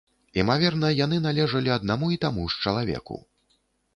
Імаверна, яны належалі аднаму і таму ж чалавеку.